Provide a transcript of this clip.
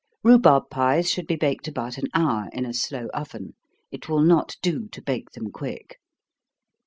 Rhubarb pies should be baked about an hour, in a slow oven it will not do to bake them quick.